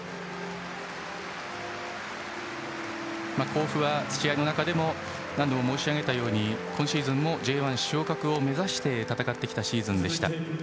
甲府は試合の中でも何度も申し上げたように今シーズンは今シーズンもＪ１昇格を目指して戦ってきたシーズンでした。